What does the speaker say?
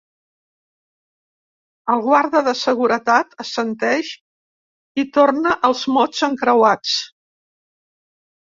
El guarda de seguretat assenteix i torna als mots encreuats.